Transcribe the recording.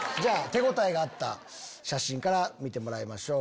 手応えがあった写真から見てもらいましょう。